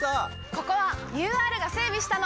ここはＵＲが整備したの！